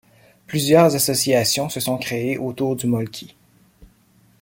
Plusieurs associations se sont créées autour du mölkky.